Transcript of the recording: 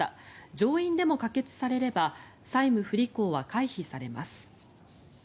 上院でも可決されれば債務不履行は回避されます。